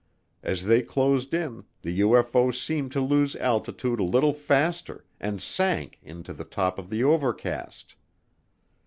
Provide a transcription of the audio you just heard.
As they closed in, the UFO seemed to lose altitude a little faster and "sank" into the top of the overcast.